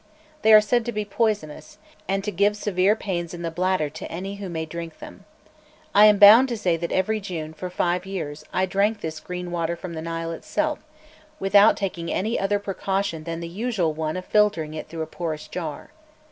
They are said to be poisonous, and to give severe pains in the bladder to any who may drink them. I am bound to say that every June, for five years, I drank this green water from the Nile itself, without taking any other precaution than the usual one of filtering it through a porous jar.